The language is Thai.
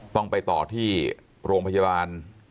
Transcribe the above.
ต้องไปต่อที่โรงพยาบาล